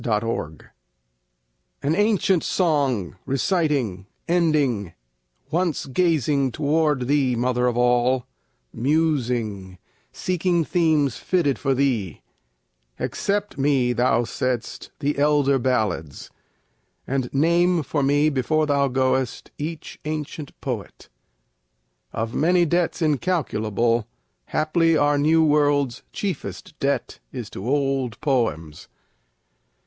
Old Chants An ancient song, reciting, ending, Once gazing toward thee, Mother of All, Musing, seeking themes fitted for thee, Accept me, thou saidst, the elder ballads, And name for me before thou goest each ancient poet. (Of many debts incalculable, Haply our New World's chieftest debt is to old poems.)